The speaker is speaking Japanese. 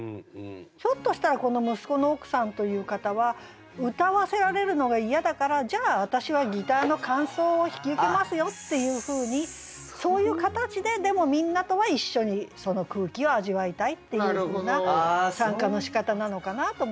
ひょっとしたらこの息子の奥さんという方は歌わせられるのが嫌だからじゃあ私はギターの間奏を引き受けますよっていうふうにそういう形ででもみんなとは一緒にその空気を味わいたいっていうふうな参加のしかたなのかなと思って。